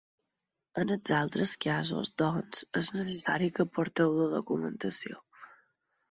En els altres casos, doncs, és necessari que aporteu la documentació.